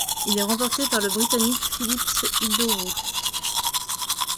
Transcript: Il est remporté par le Britannique Phillips Idowu.